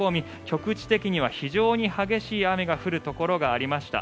局地的には非常に激しい雨が降るところがありました。